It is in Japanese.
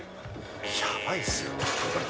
やばいですよ。